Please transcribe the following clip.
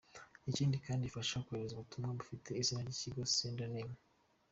Ikindi kandi ifasha kohereza ubutumwa bufite izina ry’Ikigo “Sender name”.